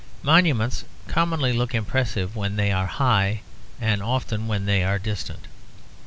Monuments commonly look impressive when they are high and often when they are distant.